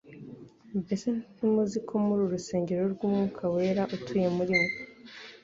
«Mbese ntimuzi ko muri urusengero rw'Umwuka wera utuye muri mwe?